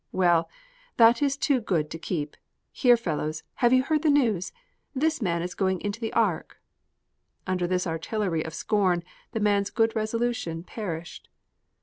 Well, that is too good to keep. Here, fellows, have you heard the news? This man is going into the ark." Under this artillery of scorn the man's good resolution perished.